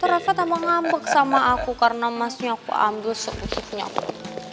tau reva tambah ngambek sama aku karena masnya aku ambil sepupunya aku